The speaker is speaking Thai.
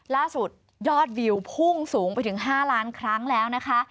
ล่าสุดยอดวิวพุ่งสูงไปถึง๕ล้านครั้งแล้วนะคะ